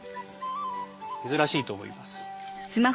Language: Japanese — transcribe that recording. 珍しいと思います。